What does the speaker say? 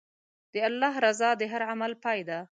د الله رضا د هر عمل پای دی.